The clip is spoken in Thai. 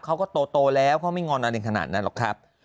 เขาก็โตแล้วเขาไม่งอนอะไรขนาดนั้นหรอกครับ